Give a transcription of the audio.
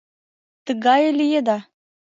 — Тыгае лиеда...